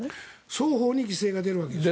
双方に犠牲が出るわけですね。